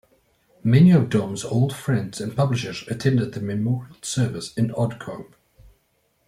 Many of Dom's old friends and publishers attended the memorial service in Odcombe.